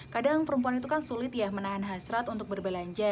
kadang perempuan itu kan sulit ya menahan hasrat untuk berbelanja